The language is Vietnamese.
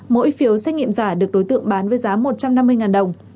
mỗi phiếu xét nghiệm giả được đối tượng bán với giá một trăm năm mươi đồng